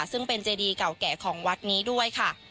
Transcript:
ซึ่งเป็นเจดีเก่าแก่ของวัดนี้ด้วยค่ะ